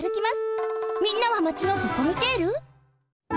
みんなはマチのドコミテール？